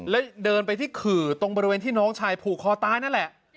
แล้วเดินไปที่ขื่อตรงบริเวณที่น้องชายผูกคอตายนั่นแหละ